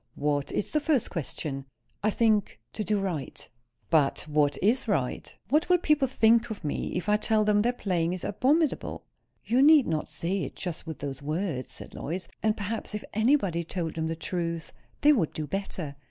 "What is the first question?" "I think to do right." "But what is right? What will people think of me, if I tell them their playing is abominable?" "You need not say it just with those words," said Lois. "And perhaps, if anybody told them the truth, they would do better.